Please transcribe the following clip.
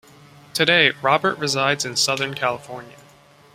Today, Robert resides in southern California.